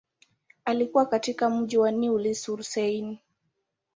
Alikua katika mji wa Neuilly-sur-Seine.